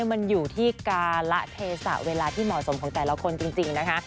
มันอยู่ที่การละเทศะเวลาที่เหมาะสมของแต่ละคนจริงนะคะ